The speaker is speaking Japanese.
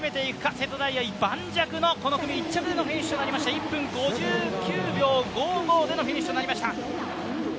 瀬戸大也、盤石の１着での盤石なフィニッシュ１分５９秒５５でのフィニッシュとなりました。